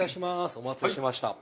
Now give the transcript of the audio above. お待たせしました。